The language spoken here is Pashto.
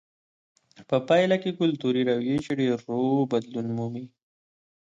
په پایله کې کلتوري رویې چې ډېر ورو بدلون مومي.